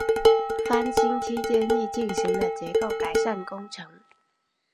翻新期间亦进行了结构改善工程。